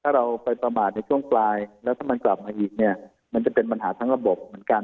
ถ้าเราไปประมาทในช่วงปลายแล้วถ้ามันกลับมาอีกเนี่ยมันจะเป็นปัญหาทั้งระบบเหมือนกัน